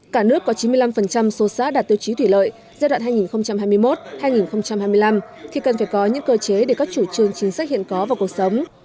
cả nước có chín mươi năm số xã đạt tiêu chí thủy lợi giai đoạn hai nghìn hai mươi một hai nghìn hai mươi năm thì cần phải có những cơ chế để các chủ trương chính sách hiện có vào cuộc sống